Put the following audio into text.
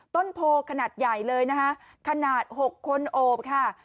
ต้นโพขนาดใหญ่เลยนะคะขนาด๖คนโอบค่ะ